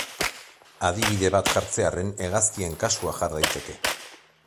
Adibide bat jartzearren Hegaztien kasua jar daiteke.